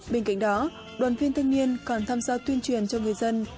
bên cạnh đó đoàn viên thanh niên còn tham gia tuyên truyền cho người dân